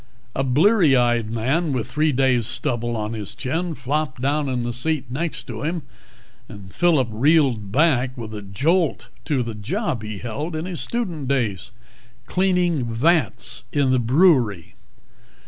A bleary eyed man with three days' stubble on his chin flopped down in the seat next to him, and Phillip reeled back with a jolt to the job he had held in his student days, cleaning vats in the brewery.